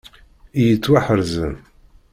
I yettwaḥerzen.